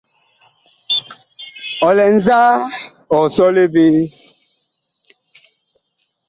Ɔ lɛ nzaa, ɔg sɔle vee ?